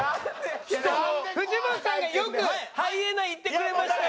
藤本さんがよくハイエナいってくれましたよ。